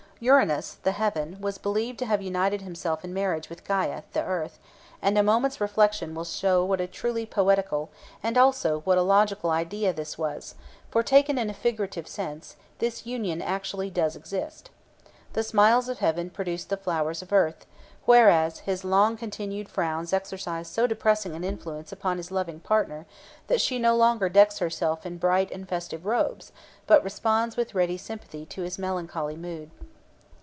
Uranus, the heaven, was believed to have united himself in marriage with Gæa, the earth; and a moment's reflection will show what a truly poetical, and also what a logical idea this was; for, taken in a figurative sense, this union actually does exist. The smiles of heaven produce the flowers of earth, whereas his long continued frowns exercise so depressing an influence upon his loving partner, that she no longer decks herself in bright and festive robes, but responds with ready sympathy to his melancholy mood.